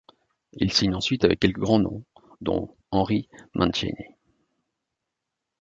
Il signe ensuite avec quelques grands noms, dont Henry Mancini.